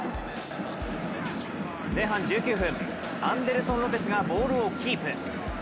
前半１９分、アンデルソン・ロペスがボールをキープ。